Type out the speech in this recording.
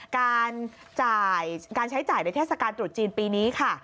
การใช้จ่ายในเทศกาลตรุษจีนปีนี้ค่ะ